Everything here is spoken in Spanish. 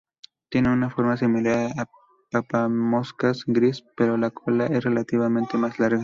Tiene una forma similar al papamoscas gris, pero la cola es relativamente más larga.